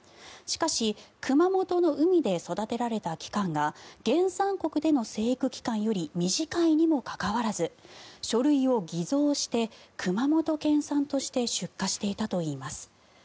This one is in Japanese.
しかし、熊本の海で育てられた期間が原産国での生育期間より短いにもかかわらず書類を偽装して熊本県産として出荷していたといいます。